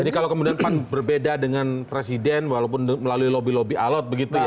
jadi kalau kemudian pan berbeda dengan presiden walaupun melalui lobby lobby alot begitu ya